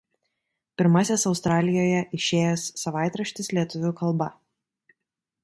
Pirmasis Australijoje išėjęs savaitraštis lietuvių kalba.